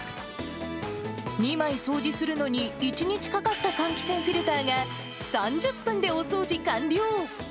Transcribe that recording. ２枚掃除するのに１日かかった換気扇フィルターが３０分でお掃除完了。